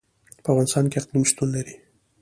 په افغانستان کې اقلیم شتون لري.